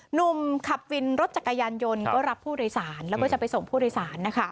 หนุ่มขับวินรถจักรยานยนต์ก็รับผู้โดยสารแล้วก็จะไปส่งผู้โดยสารนะคะ